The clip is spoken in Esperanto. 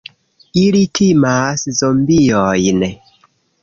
Ili timas zombiojn!